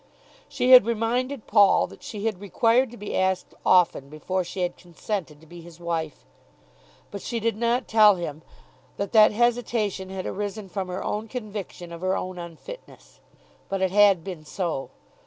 She had reminded Paul that she had required to be asked often before she had consented to be his wife; but she did not tell him that that hesitation had arisen from her own conviction of her own unfitness. But it had been so.